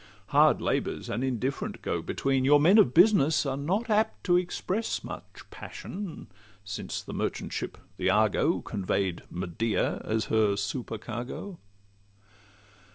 Hard labour's an indifferent go between; Your men of business are not apt to express Much passion, since the merchant ship, the Argo, Convey'd Medea as her supercargo.